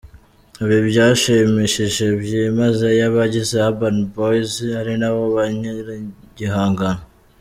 Ibi byashimishije byimazeyo abagize Urban Boyz ari nabo ba nyir’igihangano.